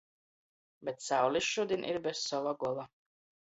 Bet saulis šudiņ ir bez sova gola.